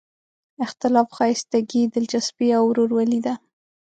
اختلاف ښایستګي، دلچسپي او ورورولي ده.